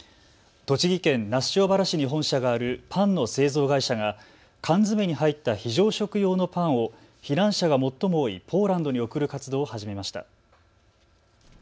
栃木県那須塩原市に本社があるパンの製造会社が缶詰に入った非常食用のパンを避難者が最も多いポーランドに送る活動を始めました。